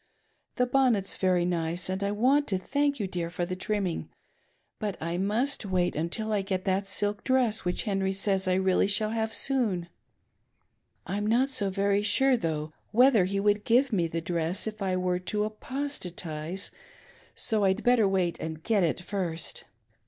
The bonnet's very nice and I want to thank you, dear, for the trimming ; but I must wait till I get that silk dress which Henry says I really shall have soon. I'm not so very sure though whether he would give me the dress if I were to apostatise, so I'd better wait and get it first.